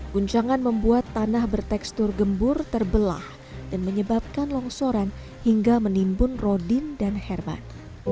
guncangan membuat tanah bertekstur gembur terbelah dan menyebabkan longsoran hingga menimbun rodin dan herman